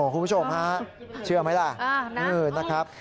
คุณผู้ชมฮะเชื่อไหมล่ะ